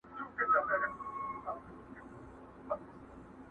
لا ورکه له ذاهدهیاره لار د توبې نه ده